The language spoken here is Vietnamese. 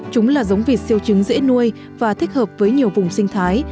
chúng là giống vịt siêu trứng dễ nuôi và thích hợp với nhiều vùng sinh thái